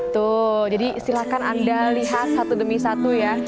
tuh jadi silahkan anda lihat satu demi satu ya